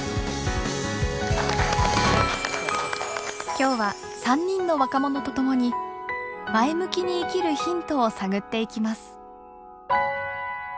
今日は３人の若者と共に前向きに生きるヒントを探っていきます。